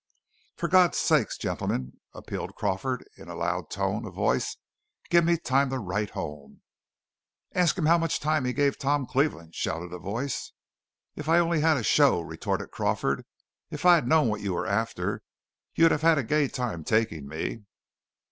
"For God's sake, gentlemen," appealed Crawford in a loud tone of voice, "give me time to write home!" "Ask him how much time he gave Tom Cleveland!" shouted a voice. "If I'd only had a show," retorted Crawford, "if I'd known what you were after, you'd have had a gay time taking me."